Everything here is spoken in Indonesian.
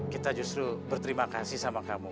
kita justru berterima kasih sama kamu